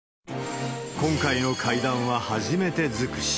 今回の会談は初めて尽くし。